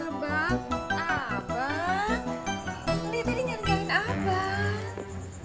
abang abang dia tadi nyelenggarkan abang